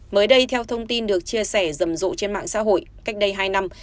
mới đây theo thông tin được chia sẻ rầm rộ trên mạng xã hội cách đây hai năm